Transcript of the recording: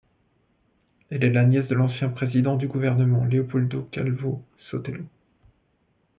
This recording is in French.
Elle est la nièce de l'ancien président du gouvernement Leopoldo Calvo-Sotelo.